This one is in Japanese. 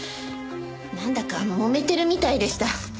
なんだか揉めてるみたいでした。